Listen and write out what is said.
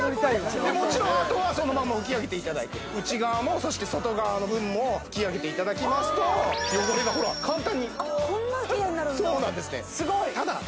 もちろんあとはそのまま拭き上げていただいて内側もそして外側の部分も拭き上げていただきますと汚れがほら簡単にこんなでキレイになるんだそうなんですね